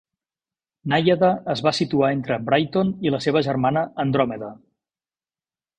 "Nàiada" es va situar entre "Brighton" i la seva germana "Andròmeda".